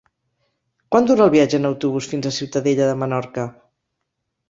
Quant dura el viatge en autobús fins a Ciutadella de Menorca?